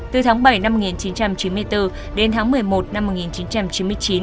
từ tháng bảy năm một nghìn chín trăm chín mươi bốn đến tháng một mươi một năm một nghìn chín trăm chín mươi chín